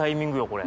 これ。